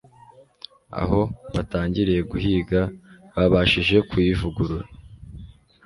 Aho batangiriye guhiga, babashije kuyivugurura